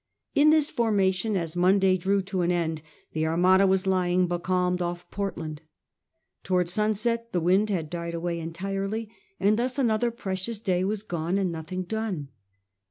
In this formation, as Monday drew to an end, the Armada was lying becalmed off" Portland. Towards sunset the wind had died away entirely, and thus another precious day was gone and nothing done.